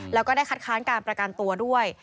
แล้วก็ได้คัดค้านการประกันตัวด้วย